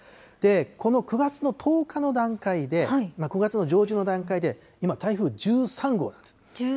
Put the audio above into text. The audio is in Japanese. この９月の１０日の段階で、９月の上旬の段階で、今、台風１３号なんです。